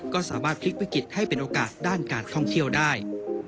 ก็สามารถพลิกวิกฤตให้เป็นโอกาสด้านการท่องเที่ยวได้